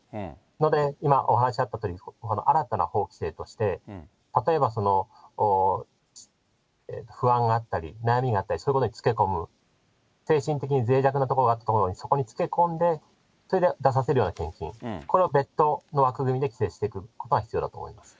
なので、今お話あったように、新たな法規制として、例えばその不安があったり、悩みがあったり、そういうところにつけこむ、精神的にぜい弱なところに、そこにつけ込んで、それで出させるような献金、これを別途の枠組みで規制していくことが必要だと思います。